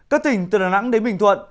các tỉnh từ đà nẵng đến bình thuận